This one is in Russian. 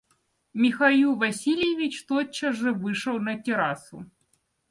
Михаил Васильевич тотчас же вышел на террасу.